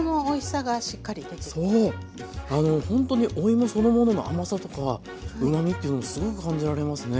ほんとにおいもそのものの甘さとかうまみというのがすごく感じられますね。